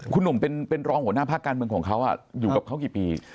คุณหนุ่มเป็นรองหัวหน้าภาคการเมืองของเขาอยู่กับเขากี่ปี